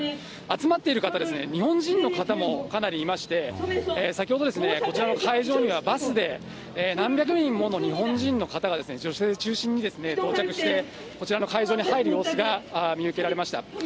集まっている方ですね、日本人の方もかなりいまして、先ほど、こちらの会場には、バスで何百人もの日本人の方が女性を中心に到着して、こちらの会場に入る様子が見受けられました。